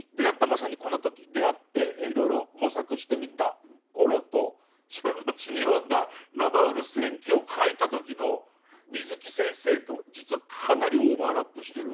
まさにこの時出会っていろいろ模索してみた頃とそののちに読んだ「ラバウル戦記」をかいた時の水木先生と実はかなりオーバーラップしてる。